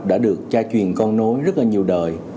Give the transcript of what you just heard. đã được tra truyền con nối rất là nhiều đời